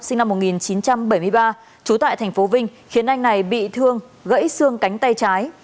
sinh năm một nghìn chín trăm bảy mươi ba trú tại tp vinh khiến anh này bị thương gãy xương cánh tay trái